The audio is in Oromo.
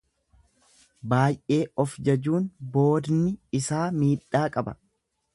Baay'ee of jajuun boodni isaa miidhaa qaba.